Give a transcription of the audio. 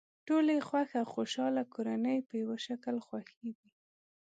ټولې خوښ او خوشحاله کورنۍ په یوه شکل خوښې دي.